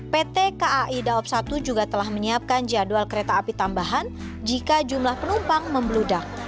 pt kai daob satu juga telah menyiapkan jadwal kereta api tambahan jika jumlah penumpang membeludak